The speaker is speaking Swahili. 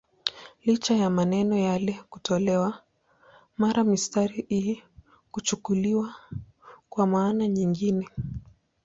Licha ya maneno yale kutolewa, mara mistari hii huchukuliwa kwa maana nyingine.